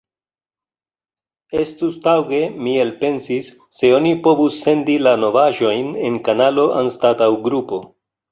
Estus taŭge, mi elpensis, se oni povus sendi la novaĵojn en kanalo anstataŭ grupo.